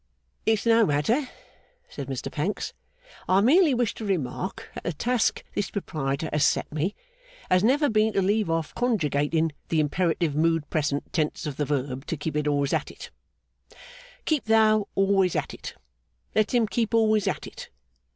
'It's no matter,' said Mr Pancks, 'I merely wish to remark that the task this Proprietor has set me, has been never to leave off conjugating the Imperative Mood Present Tense of the verb To keep always at it. Keep thou always at it. Let him keep always at it.